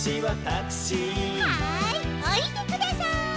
はいおりてください。